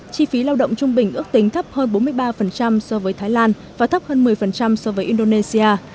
chi phí lao động trung bình ước tính thấp hơn bốn mươi ba so với thái lan và thấp hơn một mươi so với indonesia